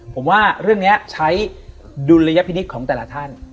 ผมว่าเรื่องนี้ใช้ดุลยพินิษฐ์ของแต่ละท่าน